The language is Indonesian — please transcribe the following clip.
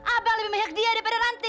abang lebih meyak dia daripada nanti